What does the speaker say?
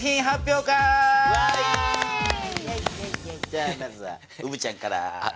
じゃあまずはうぶちゃんから。